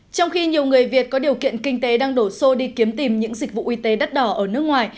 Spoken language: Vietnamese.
trong khi nhiều người việt có điều kiện kinh tế đang đổ xô đi kiếm tìm những dịch vụ y tế đắt đỏ ở nước ngoài